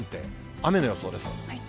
雨の予想です。